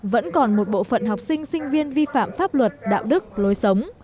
vẫn còn một bộ phận học sinh sinh viên vi phạm pháp luật đạo đức lối sống